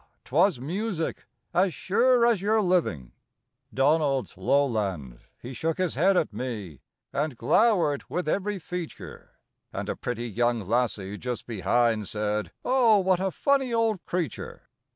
'twas music, as sure as your living. Donald's lowland, he shook his head at me, And glowered with every feature, And a pretty young lassie just behind Said: "Oh, what a funny old creature!"